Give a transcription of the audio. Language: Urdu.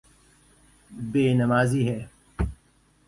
یے نمازی ہے